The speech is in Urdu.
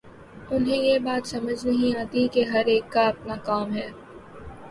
انہیں یہ بات سمجھ نہیں آتی کہ ہر ایک کا اپنا کام ہے۔